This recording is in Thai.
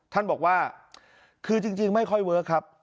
ท่านบอกว่าคือจริงไม่ค่อยเวิร์คครับ